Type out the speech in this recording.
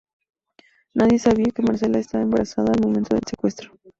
Nadie sabía que Marcela estaba embarazada al momento del secuestro.